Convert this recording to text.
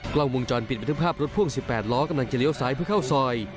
กล้องวงจรปิดบันทึกภาพรถพ่วง๑๘ล้อกำลังจะเลี้ยวซ้ายเพื่อเข้าซอย